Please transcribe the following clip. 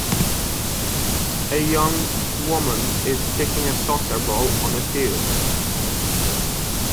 A young woman is kicking a soccer ball on a field.